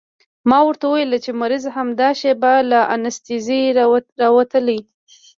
ما ورته وويل چې مريض همدا شېبه له انستيزۍ راوتلى.